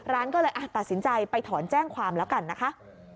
ร้านก็เลยตัดสินใจไปถอนแจ้งความแล้วกันนะคะ